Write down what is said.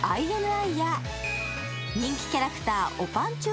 ＩＮＩや人気キャラクター、おぱんちゅ